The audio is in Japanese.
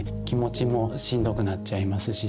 気持ちもしんどくなっちゃいます